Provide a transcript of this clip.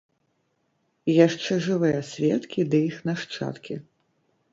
Яшчэ жывыя сведкі ды іх нашчадкі.